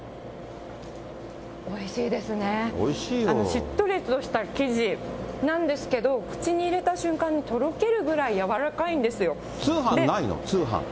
しっとりとした生地なんですけれども、口に入れた瞬間にとろけるぐらいやわらかいんですよ。